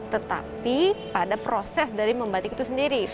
tetapi pada proses dari membatik itu sendiri